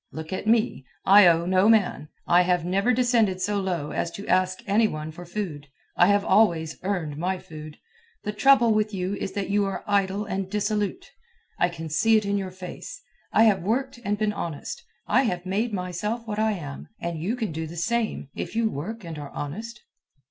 Look at me. I owe no man. I have never descended so low as to ask any one for food. I have always earned my food. The trouble with you is that you are idle and dissolute. I can see it in your face. I have worked and been honest. I have made myself what I am. And you can do the same, if you work and are honest."